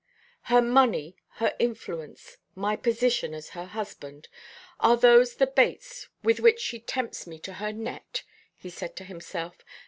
"Her money, her influence, my position as her husband! Are those the baits with which she tempts me to her net?" he said to himself.